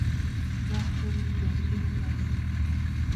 ځان پورې ټوقې كول